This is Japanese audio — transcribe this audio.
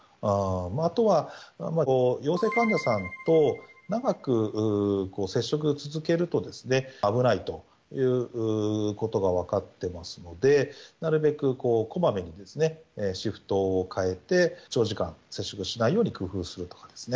あとは、陽性患者さんと長く接触を続けると危ないということが分かってますので、なるべくこまめにシフトを変えて、長時間接触しないように工夫するとかですね。